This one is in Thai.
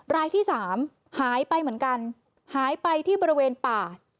รายที่สามหายไปเหมือนกันหายไปที่บริเวณป่า